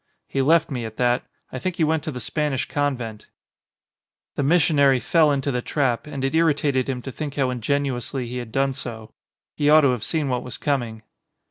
He left me at that. I think he went to the Spanish convent." The missionary fell into the trap and it irri tated him to think how ingenuously he had done so. He ought to have seen what was coming.